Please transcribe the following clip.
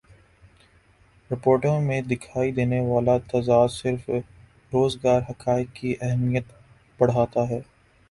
رپورٹوں میں دکھائی دینے والا تضاد صرف روزگار حقائق کی اہمیت بڑھاتا ہے